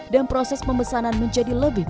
dan proses pemesanan menjadi lebih luas